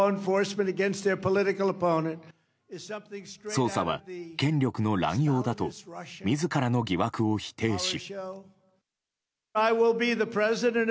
捜査は権力の乱用だと自らの疑惑を否定し。